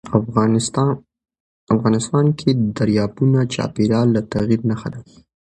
افغانستان کې دریابونه د چاپېریال د تغیر نښه ده.